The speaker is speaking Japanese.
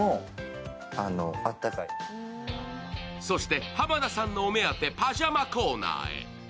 そして濱田さんのお目当て、パジャマコーナーへ。